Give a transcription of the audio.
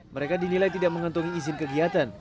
mereka dinilai tidak mengantungi izin kegiatan